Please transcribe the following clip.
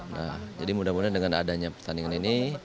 nah jadi mudah mudahan dengan adanya pertandingan ini